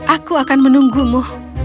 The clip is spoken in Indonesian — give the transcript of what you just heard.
aku akan menunggumu